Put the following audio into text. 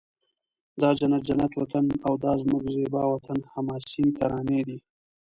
دا جنت جنت وطن او دا زموږ زیبا وطن حماسې ترانې دي